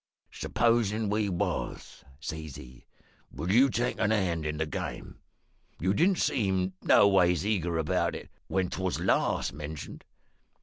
"`Supposin' we was,' says he, `would you take a hand in the game? You didn't seem noways eager about it when 'twas last mentioned.'